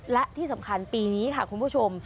และที่สำคัญปีนี้ค่ะคุณผู้ชม